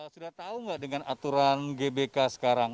sudah tahu nggak dengan aturan gbk sekarang